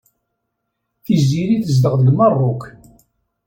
Tiziri tezdeɣ deg Meṛṛuk.